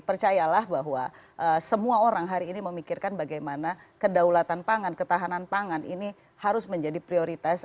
percayalah bahwa semua orang hari ini memikirkan bagaimana kedaulatan pangan ketahanan pangan ini harus menjadi prioritas